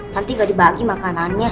nanti gak dibagi makan sama kita ya